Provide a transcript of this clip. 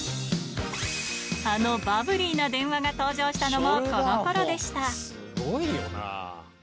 あのバブリーな電話が登場したのも、このころでした。